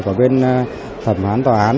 của bên thẩm phán tòa án